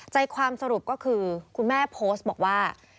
ใจความสรุปก็คือคุณแม่โพสต์บอกว่า